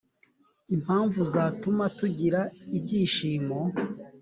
impamvu zituma tugira ibyishimo